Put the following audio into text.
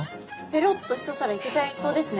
ペロッと一皿いけちゃいそうですね。